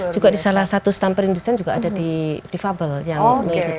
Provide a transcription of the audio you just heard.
juga di salah satu stand perindustrian juga ada di fabel yang mengikuti